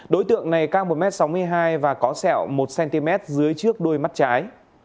đối tượng này cao một m sáu mươi hai và có sẹo một cm dưới trước đôi mắt trái